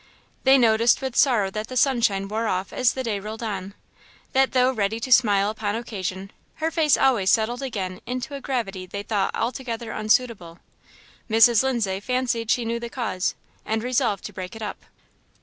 They noticed with sorrow that the sunshine wore off as the day rolled on; that though ready to smile upon occasion, her face always settled again into a gravity they thought altogether unsuitable. Mrs. Lindsay fancied she knew the cause, and resolved to break it up.